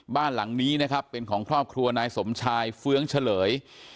บ้านหลังนี้นะครับเป็นของครอบครัวนายสมชายเฟื้องเฉลย